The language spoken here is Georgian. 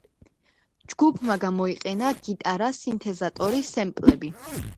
ჯგუფმა გამოიყენა გიტარა, სინთეზატორი, სემპლები.